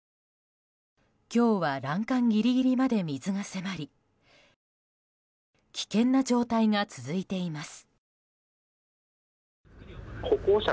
今日は、欄干ギリギリまで水が迫り危険な状態が続いています。